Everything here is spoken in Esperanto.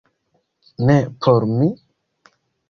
- Ne por mi?